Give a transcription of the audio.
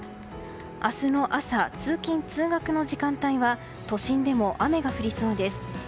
明日の朝、通勤・通学の時間帯は都心でも雨が降りそうです。